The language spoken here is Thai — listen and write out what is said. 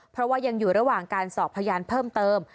เพราะว่ายังอยู่ระหว่างการสอบพยานเพิ่มเติม